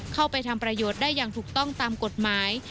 เข้าไปทำประโยชน์ได้อย่างถูกต้องตามกฎหมาย